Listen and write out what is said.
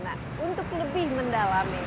nah untuk lebih mendalami